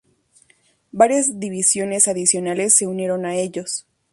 Varias divisiones adicionales se unieron a ellos.